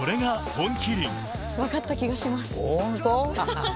本当？